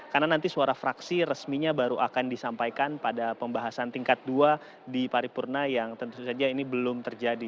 karena nanti suara fraksi resminya baru akan disampaikan pada pembahasan tingkat dua di paripurna yang tentu saja ini belum terjadi